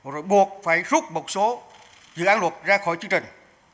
rồi buộc phải rút một số dự án luật ra khỏi chương trình